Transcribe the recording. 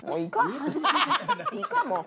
いいかもう。